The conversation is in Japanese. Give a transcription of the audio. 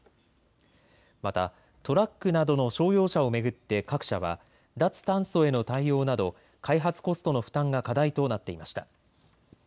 またトラックなどの商用車を巡って各社は脱炭素への対応など開発コストの負担が課題となっていました。